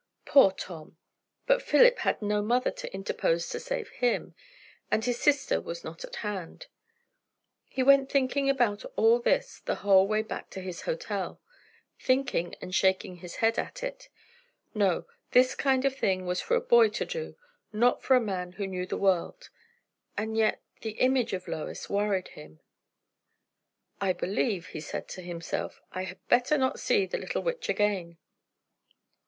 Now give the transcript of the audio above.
Poor Tom! But Philip had no mother to interpose to save him; and his sister was not at hand. He went thinking about all this the whole way back to his hotel; thinking, and shaking his head at it. No, this kind of thing was for a boy to do, not for a man who knew the world. And yet, the image of Lois worried him. I believe, he said to himself, I had better not see the little witch again.